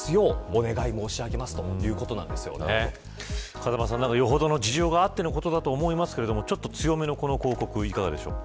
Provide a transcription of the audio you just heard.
風間さん、よほどの事情があってのことだと思いますがちょっと強めの広告いかがでしょ